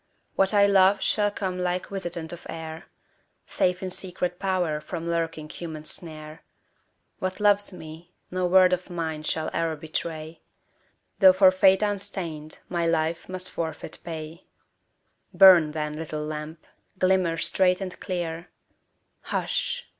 What I love shall come like visitant of air, Safe in secret power from lurking human snare; What loves me, no word of mine shall e'er betray, Though for faith unstained my life must forfeit pay Burn, then, little lamp; glimmer straight and clear Hush!